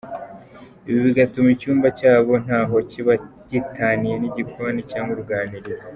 Ibi bigatuma icyumba cyabo ntaho kiba gitaniye n’igikoni cyangwa uruganiriro.